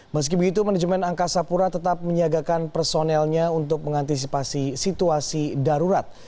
meski begitu manajemen angkasa pura tetap menyiagakan personelnya untuk mengantisipasi situasi darurat